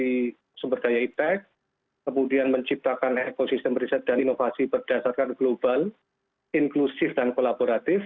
sebenarnya kita akan mencari sumber daya ipec kemudian menciptakan ekosistem riset dan inovasi berdasarkan global inklusif dan kolaboratif